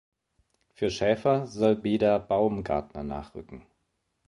Für Schäfer soll Beda Baumgartner nachrücken.